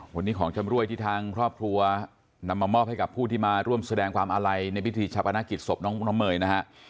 วันนี้ของชำรวยที่ทางครอบครัวนำมามอบให้กับผู้ที่มาร่วมแสดงความอาลัยในพิธีชาปนกิจศพน้องเมย์นะฮะ